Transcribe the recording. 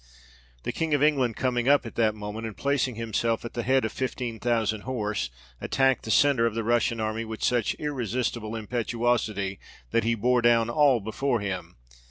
The King of England coming up at that moment, and placing himself at the head of fifteen thousand horse, attacked the centre of the Russian army with such irresistable impetuosity that he bore down all before him.